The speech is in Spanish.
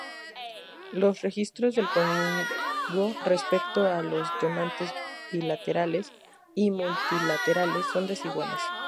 Los registros del congo respecto a los donantes bilaterales y multilaterales son desiguales.